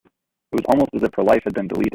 It was almost as if her life had been deleted.